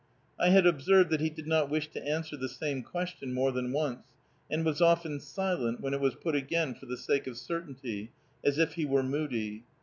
I had observed that he did not wish to answer the same question more than once, and was often silent when it was put again for the sake of certainty, as if he were moody.